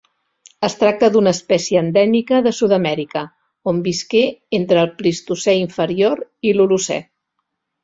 Es tracta d'una espècie endèmica de Sud-amèrica, on visqué entre el Plistocè inferior i l'Holocè.